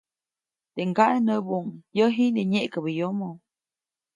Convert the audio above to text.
Teʼ ŋgaʼe näbuʼuŋ, -yäʼ jiʼnyäʼä nyeʼkäbä yomo-.